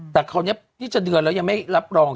แต่คราวนี้นี่จะเดือนแล้วยังไม่รับรอง